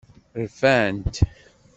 Rfant.